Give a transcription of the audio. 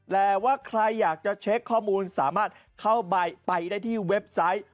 แต่ว่าใครอยากจะเช็คข้อมูลสามารถเข้าไปได้ที่เว็บไซต์